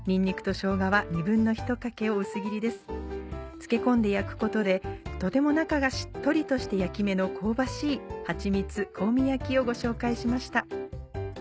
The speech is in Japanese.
つけ込んで焼くことでとても中がしっとりとして焼き目の香ばしいはちみつ香味焼きをご紹介しました。